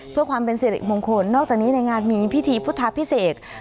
เท่าที่เป็นเศรษฐขมงคลนอกจากนี้ในงานมีพิธีพุธภาพพิเศก